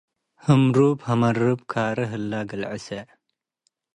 ህምሩብ ሀመርብ ካሪ ሀለ ግልዕሴ